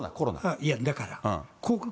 いや、だから。